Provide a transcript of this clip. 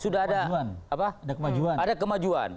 sudah ada kemajuan